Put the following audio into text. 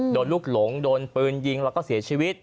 โดนลูกหลงโดนปืนยิงแล้วก็เสียชีวิต